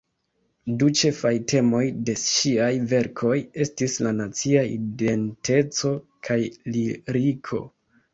Du ĉefaj temoj de ŝiaj verkoj estis la nacia identeco kaj liriko.